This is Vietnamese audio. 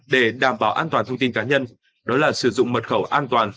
để đảm bảo an toàn thông tin cá nhân đó là sử dụng mật khẩu an toàn